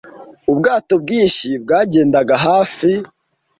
Ubwato bwinshi bwagendaga hafi